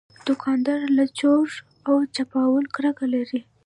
دوکاندار له چور او چپاول کرکه لري.